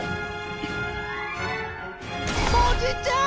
おじちゃん！